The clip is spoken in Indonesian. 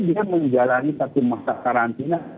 dia menjalani satu masa karantina